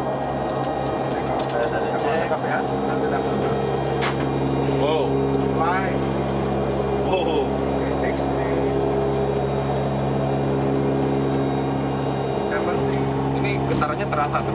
walaupun ada cuaca buruk ini begitu ya sama ya